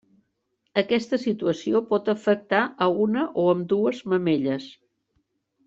Aquesta situació pot afectar a una o ambdues mamelles.